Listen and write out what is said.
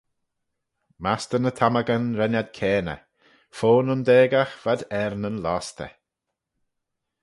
"Mastey ny tammagyn ren ad caayney; fo'n undaagagh v'ad er nyn lostey."